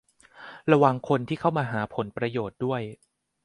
ระวังคนที่เข้ามาหาผลประโยชน์ด้วย